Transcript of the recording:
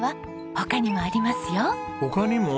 他にも？